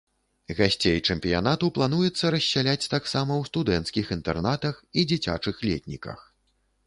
Гасцей чэмпіянату плануецца рассяляць таксама ў студэнцкіх інтэрнатах і дзіцячых летніках.